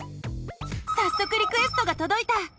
さっそくリクエストがとどいた！